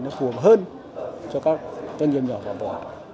nó phù hợp hơn cho các doanh nghiệp nhỏ và vừa